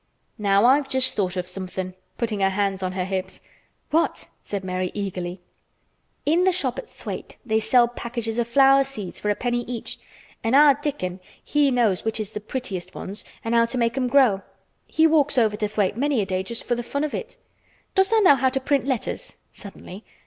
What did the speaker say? Now I've just thought of somethin'," putting her hands on her hips. "What?" said Mary eagerly. "In the shop at Thwaite they sell packages o' flower seeds for a penny each, and our Dickon he knows which is th' prettiest ones an' how to make 'em grow. He walks over to Thwaite many a day just for th' fun of it. Does tha' know how to print letters?" suddenly.